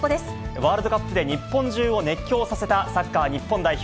ワールドカップで日本中熱狂させたサッカー日本代表。